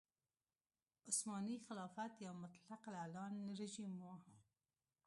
عثماني خلافت یو مطلق العنان رژیم و.